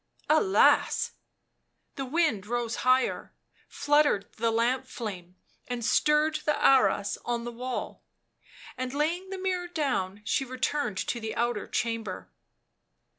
"Alas!" The wind rose higher, fluttered the lamp flame and stirred the arras on the wall ; and laying the mirror down she returned to the outer chamber.